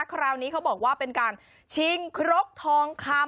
คราวนี้เขาบอกว่าเป็นการชิงครกทองคำ